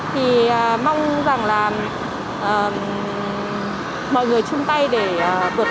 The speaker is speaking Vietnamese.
thì mong rằng là mọi người chung tay để vượt